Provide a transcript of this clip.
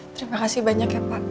terima kasih banyak ya pak